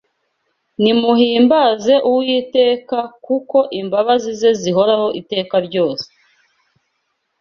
Nimuhimbaze Uwiteka, kuko imbabazi ze zihoraho iteka ryose